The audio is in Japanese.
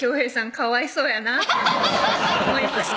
かわいそうやなって思いました